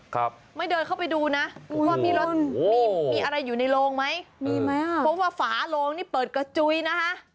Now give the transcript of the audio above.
ครับไม่เดินเข้าไปดูนะว่ามีรถมีมีอะไรอยู่ในโรงไหมมีไหมอ่ะเพราะว่าฝาโลงนี่เปิดกระจุยนะคะ